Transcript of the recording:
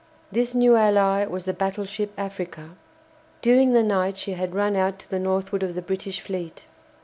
This new ally was the battleship "Africa." During the night she had run out to the northward of the British fleet.